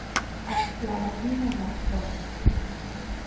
La Bâtie-Montgascon